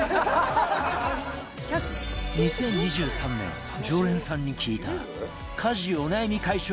２０２３年常連さんに聞いた家事お悩み解消グッズ